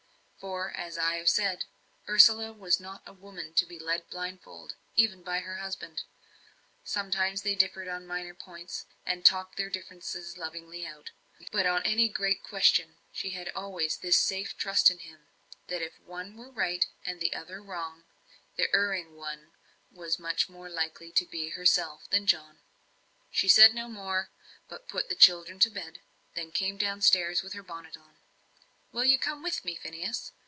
For, as I have said, Ursula was not a woman to be led blindfold, even by her husband. Sometimes they differed on minor points, and talked their differences lovingly out; but on any great question she had always this safe trust in him that if one were right and the other wrong, the erring one was much more likely to be herself than John. She said no more; but put the children to bed; then came downstairs with her bonnet on. "Will you come with me, Phineas?